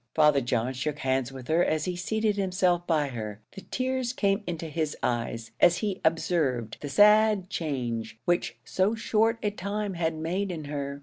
Father John shook hands with her as he seated himself by her; the tears came into his eyes as he observed the sad change which so short a time had made in her.